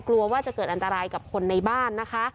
กลัวว่าจะเกิดอันตรายกับคนในบ้านนะคะ